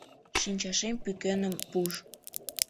Шинчашем пӱкеным пуыш.